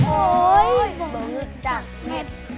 โอ๊ยบางนึกจากเม็ด